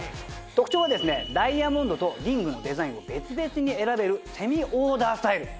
特徴はダイヤモンドとリングのデザインを別々に選べるセミオーダースタイル。